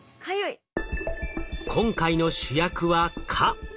今回の主役は蚊。